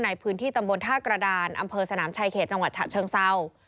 ในพื้นที่ตำบลท่ากระดานอำเภอสนามชายเขตจังหวัดฉะเชิงเศร้า